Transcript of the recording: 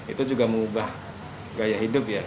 itu juga mengubah gaya hidup ya